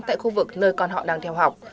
tại khu vực nơi con họ đang kêu học